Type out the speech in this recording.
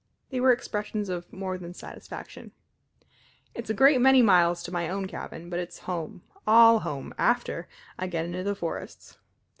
They were expressions of more than satisfaction. "It's a great many miles to my own cabin, but it's home all home after I get into the forests.